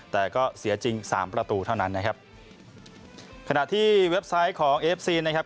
แต่ก็เสียจริงสามประตูเท่านั้นนะครับขณะที่เว็บไซต์ของเอฟซีนะครับ